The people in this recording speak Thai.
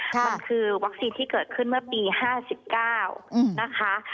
มันคือวัคซีนที่เกิดขึ้นเมื่อปี๕๙นะคะ